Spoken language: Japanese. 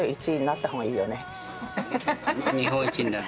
日本一になる。